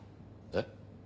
えっ？